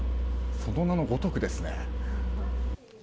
その名のごとくですね。